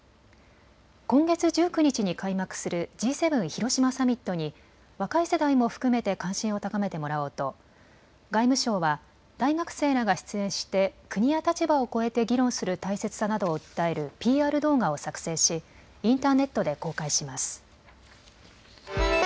今月１９日に開幕するＧ７広島サミットに若い世代も含めて関心を高めてもらおうと外務省は大学生らが出演して国や立場を超えて議論する大切さなどを訴えるＰＲ動画を作成しインターネットで公開します。